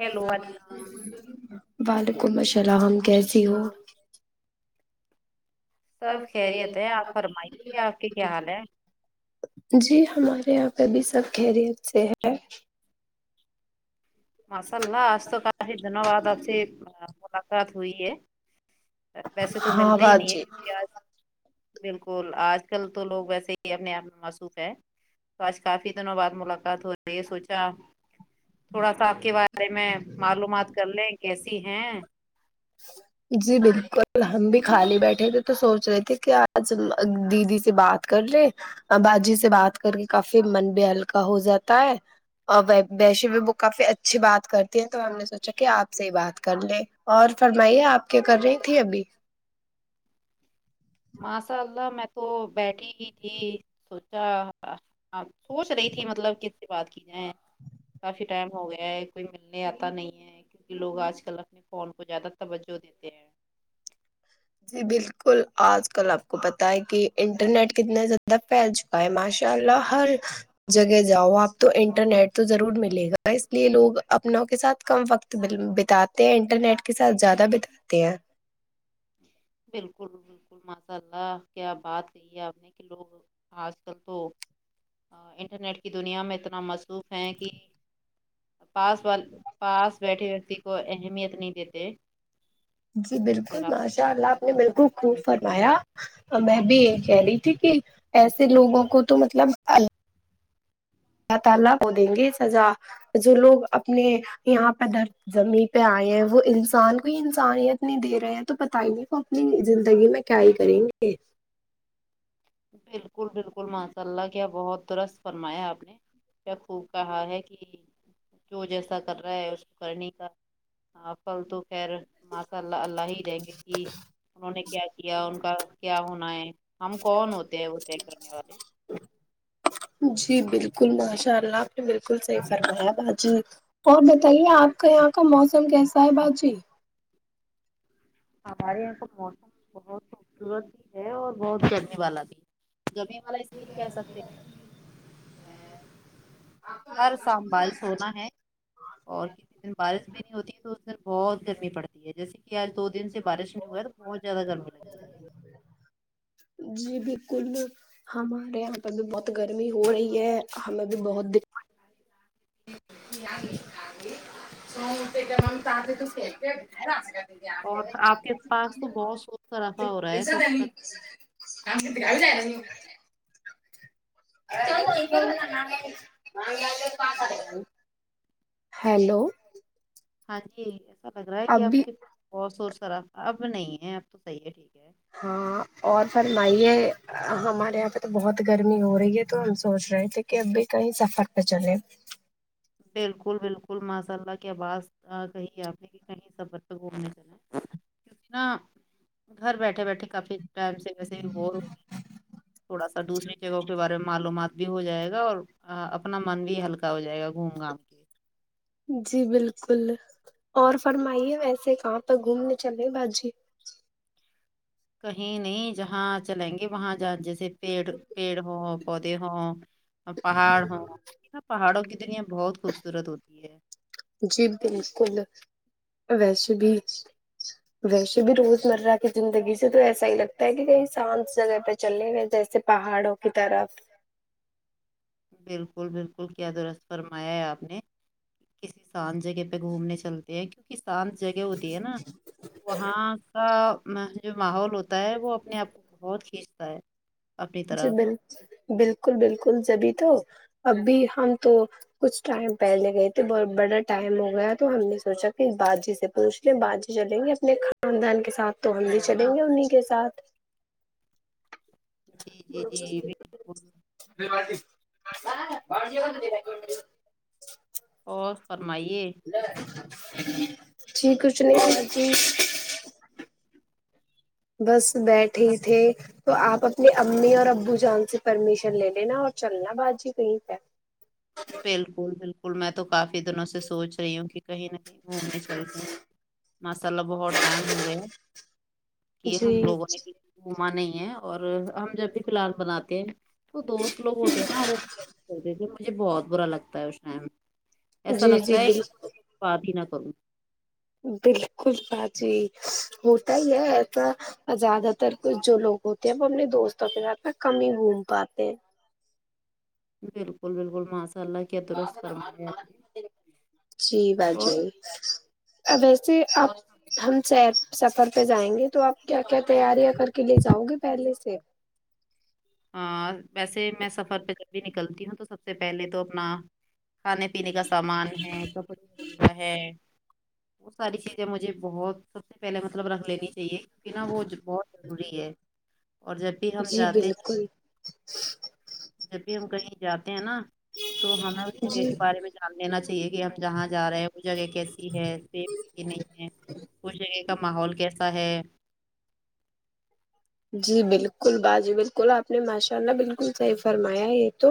hello وعلیکم وعلیکم السلام کیسی ہو سب خیریت ہے آپ فرمائیے آپ کے کیا حال ہے جی ہمارے یہاں پہ بھی سب خیریت سے ہے ماشاء اللہ آج تو کافی دنوں بعد آپ سے ملاقات ہوئی ہے ویسے تو ملتے ہی نہیں ہے کیونکہ آج بالکل آج کل تو لوگ ویسے ہی اپنے آپ میں مصروف ہے تو آج کافی دنوں بعد ملاقات ہو رہی ہے سوچا تھوڑا سا آپ کے بارے میں معلومات کر لیں کیسی ہیں ہے جی بالکل ہم بھی خالی بیٹھے تھے تو سوچ رہے تھے کہ آج دیدی سے بات کر لے اباجی سے بات کر کے کافی من بھی ہلکا ہو جاتا ہے اور ویشے بھی وہ کافی اچھی بات کرتی ہیں تو ہم نے سوچا کہ آپ سے ہی بات کر لیں اور فرمائیے آپ کیا کر رہی تھی ابھی ماشاء اللہ میں تو بیٹھی ہی تھی سوچا سوچ رہی تھی مطلب کس سے بات کی جائیں کافی ٹائم ہو گیا ہے کوئی ملنے آتا نہیں ہے کیونکہ لوگ آج کل اپنے فون کو زیادہ توجہ دیتے ہیں جی بالکل آج کل آپ کو پتا ہے کہ انٹرنیٹ کتنا زیادہ پھیل چک ا ماشاء اللہ ہر جگہ جاؤ آپ تو انٹرنیٹ تو ضرور ملے گا اس لیے لوگ اپنوں کے ساتھ کم وقت تو مطلب بتاتے ہیں انٹرنیٹ کے ساتھ زیادہ بتاتے ہیں بالکل بلکل ماشاء اللہ کیا بات کہی ہے آپ نے کہ لوگ آج کل تو انٹرنیٹ کی دنیا میں اتنا مصروف ہیں کہ پاس والے پاس بیٹھے وکتی کو اہمیت نہیں دیتے جی اور پھر بالکل آپ ماشاء اللہ آپ نے بالکل خوب فرمایا میں بھی یہ کہہ رہی تھی کہ ایسے لوگوں کو تو مطلب ال اللہ تعالی وہ دیں گے سزا جو لوگ اپنے یہاں پہ در زمین پہ آئے ہیں وہ انسان کو ہی انسانیت نہیں دے رہے ہیں تو پتا ہی نہیں اپنی زندگی میں کیا ہی کریں گے بالکل بالکل ماشاء اللہ کیا بہت درست فرمایا آپ نے کیا خوب کہا ہے کہ جو جیسا کر رہا ہے اس کو کرنی کا ہاں پھل تو خیر ماساء اللہ اللہ ہی دیں گے کہ انہوں نے کیا کیا ان کا کیا ہونا ہے ہم کون ہوتے ہیں وہ طے کرنے والے جی بالکل ماشاء اللہ آپ نے بالکل صحیح فرمایا باجی اور بتائیے آپ کا یہاں کا موسم کیسا ہے باجی ہمارے یہاں کا موسم بہت خوبصورت بھی ہے اور بہت گرمی والا بھی ہے گرمی والا اس لئے کہ سکتے ہیں ہر سال بلیز ہونا ہے اور کتنے دن بارش بھی نہیں ہوتی ہے تو ادھر بہت گرمی پڑتی ہے جیسے کہ آج دو دن سے بارش نہیں ہوا ہے تو بہت زیادہ گرمی لگ رہی ہے جی بلکل بل ہمارے یہاں پہ بھی بہت گرمی ہو رہی ہے ہمیں بھی بہت د [inaudible] مےھ [unintelligible] اور آپ کے پاس تو بہت شور شرابا ہو رہا ہے [unintelligible] [unintelligible] [unintelligible] ہوں ہیلو ہاں جی ایسا لگ رہا ہے کہ آپ ابھی کے وہاں شور شارابہ اب نہیں ہے اب تو صحیح ہے ٹھیک ہے ہاں اور فرمائیے ہمارے یہاں پہ تو بہت گرمی ہو رہی ہے تو ہم سونچ رہے تھے کہ ابھی کہیں سفر پہ چلے بلکل بلکل ماشاء اللہ کیا آواز کہی ہے آپ نے کہیں سفر پہ گھومنے چلیں کیونکہ نہا گھر بیٹھے بیٹھے کافی ٹائم سے ویسے ہی بارے ہی تھوڑا سا دوسری جگہوں کے بارے میں معلومات بھی ہو جائے گا اور اپنا من بھی ہلکا ہو جائے گا گھوم گام کے جی بلکل اور فرمائیے ویسے کہاں پر گھومنے چلے باجی کہیں نہیں جہاں چلیں گے وہاں ج جیسے پیڑ پیڑ ہو پودے ہوں اور پہاڑ ہوں کی نا پہاڑوں کی دنیا بہت خوبصورت ہوتی ہے جی بلکل ویسے بھی ویسے بھی روز مرہ کی زندگی سے تو ایسا ہی لگتا ہے کہ کہیں شانت جگہ پہ چلے گئے جیسے پہاڑوں کی طرف بلکل بلکل کیا درست فرمایا ہے آپ نے کسی سان جگہ پہ گھومنے چل کیونک کسان جگہ ہوتی ہے نا وہاں کا وه جو ماحول ہوتا ہے وہ اپنے آپ کو بہت کھینچتا ہے اپنی جی طرف بال بالکل بالکل جبھی تو ابھی ہم تو کچھ ٹائم پہلے گئے تھے بہت بڑا ٹائم ہو گیا تو ہم نے سوچا کہ باجی سے پوچھ کے باجی چلیں گے اپنے خاندان کے ساتھ تو ہم بھی چلیں گے انیں کے ساتھ جی جی جی بالکل [unintelligible] اور فرمائیے جی کچھ نہیں ہو جی بس بیٹھے تھے تو آپ اپنی امی اور ابو جان سے پرمیشن لے لینا اور چلنا باجی کہیں پہ بالکل بالکل میں تو کافی دنوں سے سوچ رہی ہوں کہ کہیں نہ کہیں گھومنے چلتے ہیں ماشاللہ بہت ٹائم ہو گیا کہ جی ہم لوگوں نے گھوما نہیں ہے اور ہم جب فی الحال بنا تے ہیں وہ دوست لوگ ہوتے ہیں وہ تھے مجھے بہت برا لگتا ہے اس ٹائم ایسا جی لگتا جی ہے بالکل بات ہی نہ کروں بلکل باجی ہوتا ہی ہے ایسا اور زیادہ تر کچھ جو لوگ ہوتے ہیں وہ اپنے دوستوں کے ساتھ ن کم ہی گھوم پاتے ہیں بلکل بلکل ماشاء اللہ کیا درست فرمایا آپ نے جی اور باجی ا ویسے آپ بہت ہم شاید سفر پہ جائیں گے تو آپ کیا کیا تیاریاں کر کے لے جاؤ گے پہلے سے ہاں ویسے میں سفر پہ جب بھی نکلتی ہوں تو سب سے پہلے تو اپنا کھانے پینے کا سامان ہے کپڑے وغیرہ ہے وہ ساری چیزیں مجھے بہت سب سے پہلے مطلب رکھ لینی چاہیے کیونکہ نا وہ بہت ضروری ہے اور جب بھی ہم جی جاتے ہیں بالکل جب بھی ہم کہیں جاتے ہیں نا تو ہمیں اس جگہ جی کے بارے میں جان لینا چاہیے کیا جہاں جا رہے ہیں وہ جگہ کیسی ہے سیف ہے کہ نہیں ہے وہ جگہ کا ماحول کیسا ہے جی بلکل باجی بلکل آپ نے ماشاء اللہ بلکل سہی فرمایا یہ تو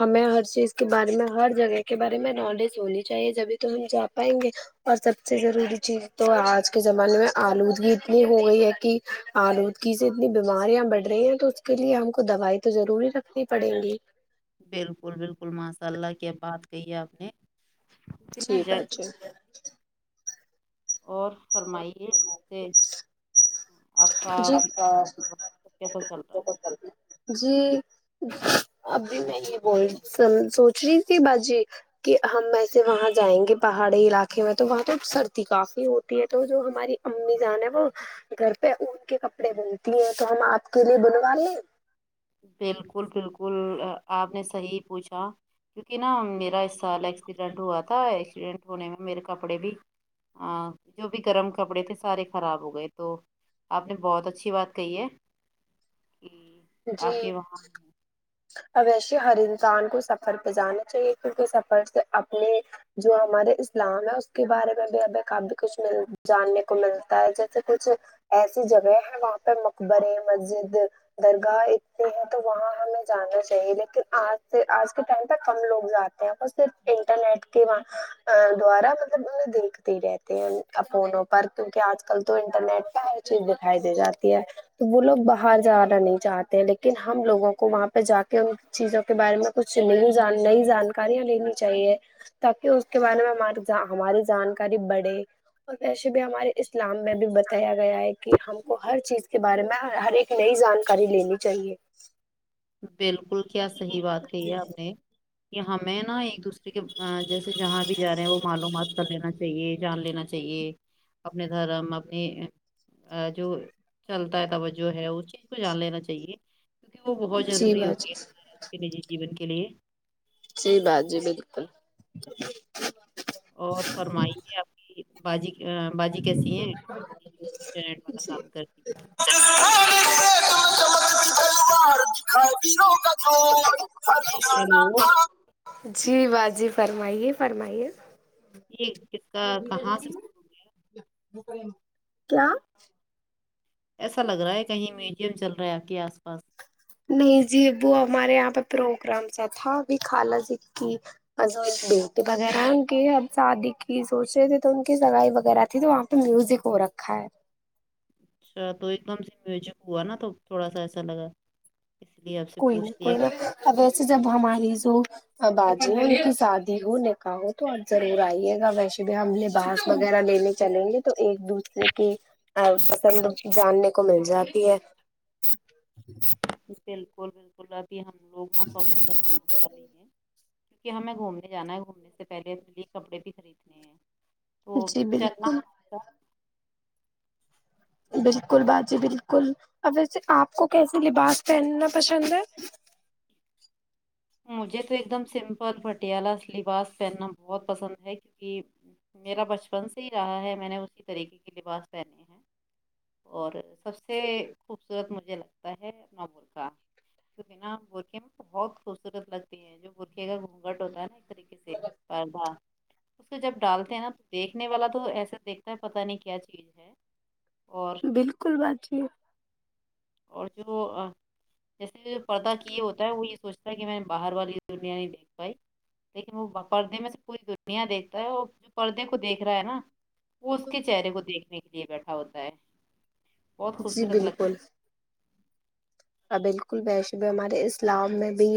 ہمیں ہر چیز کے بارے میں ہر جگہ کے بارے میں نالج ہونی چاہیے جبھی تو ہم جا پائیں گے اور سب سے ضروری چیز تو آج کے زمانے میں آلودگی اتنی ہو گئی ہے کہ آلود کسی اتنی بیماریاں بڑھ رہی ہیں تو اس کے لیے ہم کو دوائی تو ضروری رکھنی پڑیں گی بلکل بلکل ماشاء اللہ کیا بات کہی ہے آپ نے کتنا جی جج باجی اور فرمائیے ے آپ کا جی کیسا چل رہا ہے جی اب بھی میں یہ ب سوچ رہی تھی بجی کہ ہم وسے وہاں جائیں گے پہاڑی علاقے میں تو وہاں تو سردی کافی ہوتی ہے تو جو ہماری امی جان ہے وہ گھر پہ اون کے کپڑے بنتی ہیں تو ہم آپ کے لیے بنوا لیں بالکل بالکل آپ نے صحیح پوچھا کیونکہ نا میرا اس سال ایکسیڈنٹ ہوا تھا ایکسیڈنٹ ہونے میں میرے کپڑے بھی ا جو بھی گرم کپڑے تھے سارے خراب ہو گئے تو آپ نے بہت اچھی بات کہی ہے جی آپ کے وہاں اوشے ہر انسان کو سفر پہ جانا چاہیے کیونکہ سفر سے اپنے جو ہمارے اسلام ہے اس کے بارے میں بھی ابھی کافی کچھ مل جاننے کو ملتا ہے جیسے کچھ ایسی جگہیں ہیں وہاں پہ مقبرے مسجد درگاہ اتنی ہے تو وہاں ہمیں جانا چاہیے لیکن آج سے آج کے ٹائم تہ کم لوگ جات اور صرف انٹرنیٹ کے دوارا مطلب انہیں دیکھتی رہے ا فونوں پر کیونکہ آج کل تو انٹرنیٹ پہ ہر چیز دکھائی دے جاتی ہے تو وہ لوگ باہر جا نہیں چاہتے ہیں لیکن ہم لوگوں کو وہاں پہ جا کے ان چیزوں کے بارے میں کچھ نہیں جان نہیں جان یاں لینی چاہیے تاکہ اس کے بارے میں ہماری جانکاری بڑھے اور ویسے بھی ہمارے اسلام میں بھی بتایا گیا ہے کہ ہم کو ہر چیز کے بارے میں ہر ایک نئی جانکاری لینی چاہیے بالکل کیا صحیح بات کہی ہے آپ نے کہ ہمیں نا ایک دوسرے کے جیسے جہاں بھی جا رہے ہیں وہ معلومات کر لینا چاہیے جان لینا چاہیے اپنے دھرم اپنی جو چلتا ہے توجہ ہے اس چیز کو جان لینا چاہیے کیونکہ وہ ب جی ضروری ہوگی باجی آپ کے نجی [unintelligible] جیون کے لیے جی باجی بالکل اور فرمائیے آپ باجی ا باجی کیسی ہے انٹرنیٹ والا کام کرتی ہے ہیلو جی باجی فرمائیے فرمائیے یہ کس کا کہاں سے شروع ہو کیا ایسا لگ رہا ہے کہیں میڈیم چل رہا ہے آپ کے آس پاس نہیں جی وہ ہمارے یہاں پہ پروگرامس ہے تھا ابھی خالہ ذ کی اور ایک بیٹی وغیرہ ان کی اب شادی کی سوچ رہے تھے تو ان کی سگائی وغیرہ تھی تو وہاں تو میوزک ہو رکھا ہے اچھا تو ایک دم سے میوزک ہوا نا تو تھوڑا سا ایسا لگا اس لیے آپ سے کوئی پوچھ نئی لیا کوئی نئی اب ایسے جب ہماری جو باجی ان کی شادی ہو نکاح ہو تو آج ضرور آئیے گا ویشے بھی ہم نے بانس وغیرہ لینے چلیں گے تو ایک دوسرے کی پسند جاننے کو مل جاتی ہے بالکل بالکل باجی ہم لوگ نا شاپنگ کرنے جانے والے ہیں کہ ہمیں گھومنے جانا ہے گھومنے سے پہلے اپنے لیے کپڑے بھی خریدنے ہیں تو جی چلنا بالکل ہمارے بالکل باجی بالکل اب ویسے آپ کو کیسے لباس پہننا پسند ہے مجھے تو ایک دم سمپل پٹیالہ لباس پہننا بہت پسند ہے کیونکہ میرا بچپن سے ہی رہا ہے میں نے اسی طریقے کے لباس پہنے ہیں اور سب سے خوبصورت مجھے لگتا ہے اپنا برکا بنا برکے میں بہت خوبصورت لگتی ہے جو برخے کا گھونگھٹ ہوتا ہے نا ایک طریقے سے پدا اس کو جب ڈالتے ہیں نا تو دیکھنے والا تو ایسا دیکھتا ہے پتہ نہیں کیا چیز ہے اور بالکل باجی اور جو جیسے پردہ کیے ہوتا ہے وہ یہ سوچتا ہے کہ میں باہر والی دنیا نہیں دیکھ پائی لیکن وہ پردے میں سے پوری دنیا دیکھتا ہے وہ جو پردے کو دیکھ رہا ہے نا وہ اس کے چہرے کو دیکھنے کے لیے بیٹھا ہوتا ہے بہت جی خوبصورت لگتا بالکل ہے ہاں بالکل ویشے بھی ہمارے اسلام میں بھی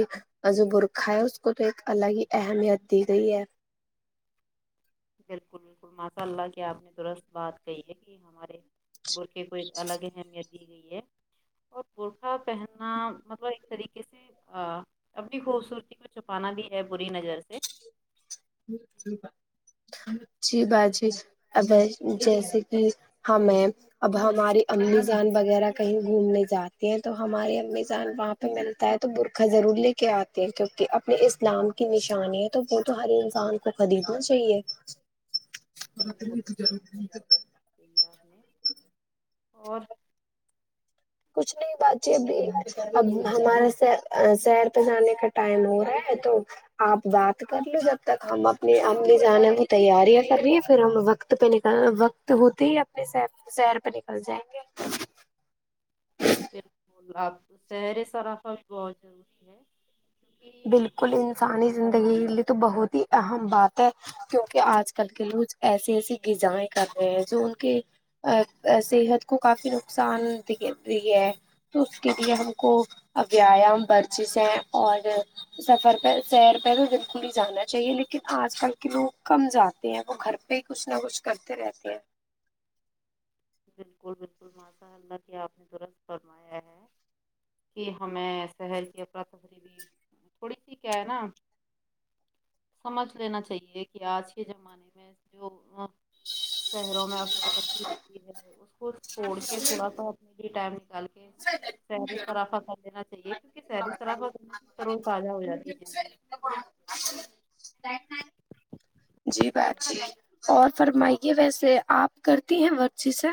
جو برقہ ہے اس کو تو ایک الگ ہی اہمیت دی گئی ہے بالکل بالکل ماشاء اللہ کی آپ نے درست بات کہ ہے کہ ہمارے برقے کو ایک الگ ہی اہمیت دی گئی ہے اور بورکھا پہننا مطلب ایک طریقے سے آ اپنی خوبصورتی کو چھپانا بھی ہے بری نظر سے جی باجی اب جیسے کہ ہمیں اب ہماری امی جان وغیرہ کہیں گھومنے جاتے ہیں تو ہمارے امی جان وہاں ملتا ہے تو برقہ ضرور لے کے آتے ہیں کیونکہ اپنے اسلام کی نشانی ہے تو وہ تو ہر انس کسان کو خریدنا چاہیے بلکل بالکل کہی آپ نے اور کچھ نہیں باجی اب اب ہمارا سحر سیر پہ جانے کا ٹائم ہو رہا ہے تو آپ بات کر لو جب تک ہم اپنی امی جانے کی تیاریاں کر رہی ہیں پھر ہم وقت وت پہ نکل وقت ہوتے ہی اپنے س سیر پہ نکل جائیں گے اب سہر سراف بھی بہت ضروری ہے کیونکہ بالکل انسانی زندگی کے لیے تو بہت ہی اہم بات ہے کیونکہ آج کل کے لوگ ایسی ایسی غذائیں کر رہے ہیں جو ان کے ا صحت کو کافی نقصان د ہے تو اس کے لیے ہم کو ویایام ورزش ہیں اور سفر پہ سیر پہلے دل کل ہی جانا چاہیے لیکن آج کل کے لوگ کم جاتے ہیں وہ گھر پہ ہی کچھ نہ کچھ کرتے رہتے ہیں بالکل بالکل ماشاءاللہ کے آپ نے درست فرمایا ہے کہ ہمیں صہر کی افرا تفری بھی تھوڑی سی کیا ہے نا سمجھ لینا چاہیے کہ آج کے زمانے میں جو شہروں میں ارتی اس کو چھوڑ کے تھوڑا سا اپنے لیے ٹائم نکالیں سحری سرافا کر دینا چاہیے کیونکہ سہری سرافا کرنےروز تازہ ہو جاتی ہے طباعت [unintelligible] جی باجی اور فرمائیے ویسے آپ کرتی ہیں ورزیشیں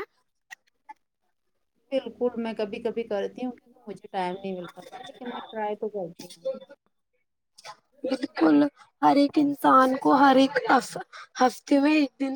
بالکل میں کبھی کبھی کرتی ہوں کیونکہ مجھے ٹائم نہیں مل پاتا ہے لیکن میں ٹرائی تو کرتی ہوں [inaudible] بالکل ہر ایک انسان کو ہر ایک حف ہفتے میں ایک دن